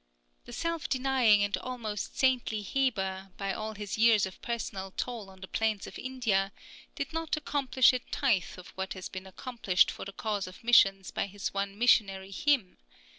The self denying and almost saintly Heber, by all his years of personal toil on the plains of India, did not accomplish a tithe of what has been accomplished for the cause of missions by his one Missionary Hymn.